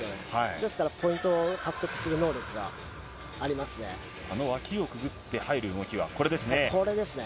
ですから、ポイントを獲得する能あの脇をくぐって入る動きは、これですね。